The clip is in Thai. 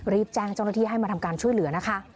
รีบแจ้งเจ้าหน้าที่ให้มาทำการช่วยเหลือนะคะ